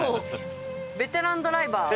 ベテランドライバー。